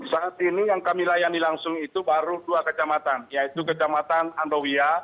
saat ini yang kami layani langsung itu baru dua kecamatan yaitu kecamatan andowia